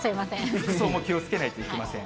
服装も気をつけないといけません。